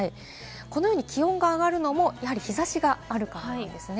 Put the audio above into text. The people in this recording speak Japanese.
このように気温が上がるのも日差しがあるからなんですね。